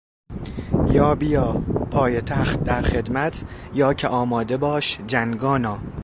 یا بیا پایتخت در خدمت یا که آماده باش جنگانا!